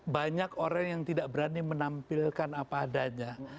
banyak orang yang tidak berani menampilkan apa adanya